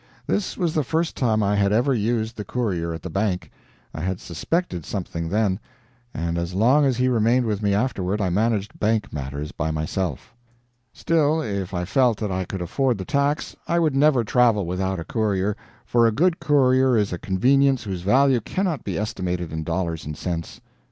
This was the first time I had ever used the courier at the bank. I had suspected something then, and as long as he remained with me afterward I managed bank matters by myself. Still, if I felt that I could afford the tax, I would never travel without a courier, for a good courier is a convenience whose value cannot be estimated in dollars and cents.